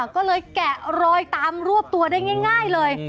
ก็เลยแกะรอยตามรวบตัวได้ง่ายเลย